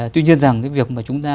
tuy nhiên rằng cái việc mà chúng ta